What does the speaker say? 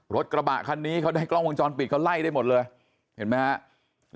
รถกระบะคันนี้เขาได้กล้องวงจรปิดเขาไล่ได้หมดเลยเห็นไหมครับ